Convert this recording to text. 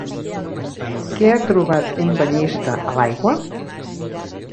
Què ha trobat un banyista a l'aigua?